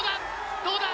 どうだ？